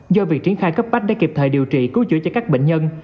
do việc triển khai cấp bách để kịp thời điều trị cứu chữa cho các bệnh nhân